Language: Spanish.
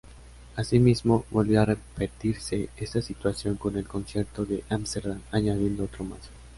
Asimismo, volvió a repetirse esta situación con el concierto de Ámsterdam, añadiendo otro más.